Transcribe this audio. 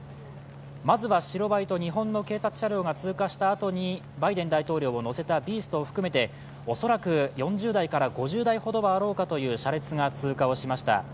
まずは白バイと日本の警察車両が通過したあとに、バイデン大統領を乗せたビーストを含めて恐らく４０台から５０台ほどはあろうかという車列が通過しました。